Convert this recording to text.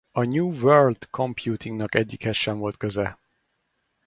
A New World Computingnak egyikhez sem volt köze.